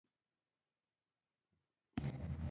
پولیسو سید ونیو او د جنایتکارانو جزیرې ته یې واستاوه.